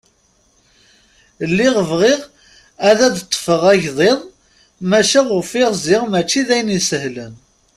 Lliɣ bɣiɣ ad ad d-ṭṭfeɣ agḍiḍ maca ufiɣ ziɣ mačči d ayen isehlen.